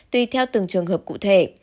tùy theo từng trường hợp cụ thể